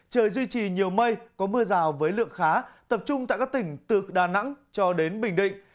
trời duy trì nhiều mây có mưa rào với lượng khá tập trung tại các tỉnh từ đà nẵng cho đến bình định